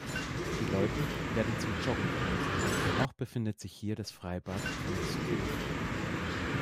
Die Loipen werden zum Joggen genutzt, auch befindet sich hier das Freibad von Skövde.